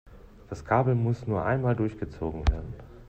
Das Kabel muss nur einmal durchgezogen werden.